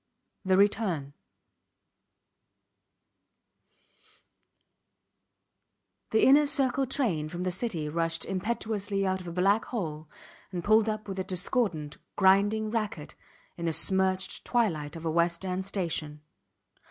THE RETURN The inner circle train from the City rushed impetuously out of a black hole and pulled up with a discordant, grinding racket in the smirched twilight of a West End station.